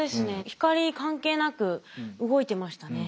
光関係なく動いてましたね。